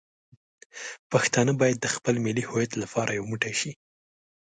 پښتانه باید د خپل ملي هویت لپاره یو موټی شي.